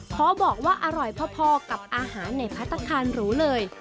เพราะบอกว่าอร่อยพอกับอาหารในพัฒนธรรมดิ์รู้เลย